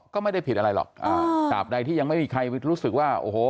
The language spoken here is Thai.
ก็ไม่ได้ผิดอะไรหรอกอ่าตราบใดที่ยังไม่มีใครรู้สึกว่าโอ้โห